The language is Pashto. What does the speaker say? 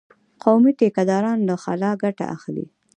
قومي ټيکه داران له خلا ګټه اخلي.